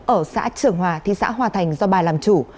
ở xã trường hòa thị xã hòa thành do bà làm chủ